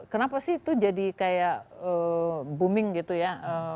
kenapa sih itu jadi kayak booming gitu ya